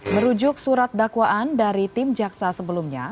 merujuk surat dakwaan dari tim jaksa sebelumnya